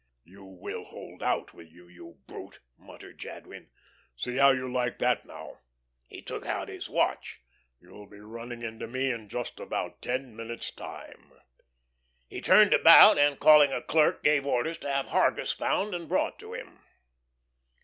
"You will hold out, will you, you brute?" muttered Jadwin. "See how you like that now." He took out his watch. "You'll be running in to me in just about ten minutes' time." He turned about, and calling a clerk, gave orders to have Hargus found and brought to him.